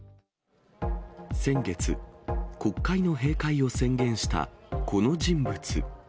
先月、国会の閉会を宣言したこの人物。